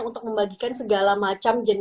untuk membagikan segala macam jenis